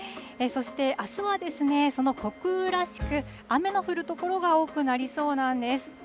そしてあすはですね、その穀雨らしく、雨の降る所がありそうなんです。